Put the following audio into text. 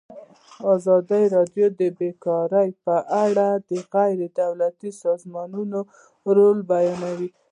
ازادي راډیو د بیکاري په اړه د غیر دولتي سازمانونو رول بیان کړی.